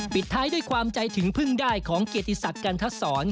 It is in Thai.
ปิดท้ายด้วยความใจถึงพึ่งได้ของเกียรติศักดิ์กันทศร